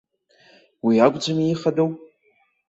Уи акәӡами ихадоу?